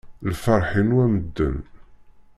Lferḥ-inu a medden.